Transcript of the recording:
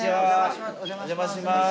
お邪魔します。